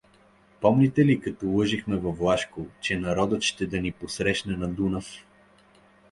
Помните ли, като лъжехме във Влашко, че народът ще да ни посрещне на Дунава?